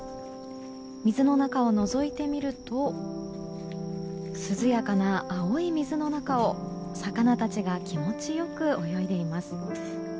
水の中をのぞいてみると涼やかな青い水の中を魚たちが気持ちよく泳いでいます。